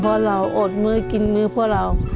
พ่อเราอดมือกินมือพ่อเรา